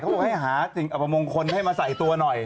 เค้าบอกให้หาภาพรรคบองคลได้มาใส่ตัวหน่อย